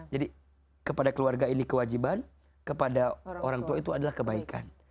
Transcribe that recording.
jadi kepada keluarga ini kewajiban kepada orang tua itu adalah kebaikan